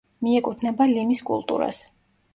მიეკუთვნება ლიმის კულტურას.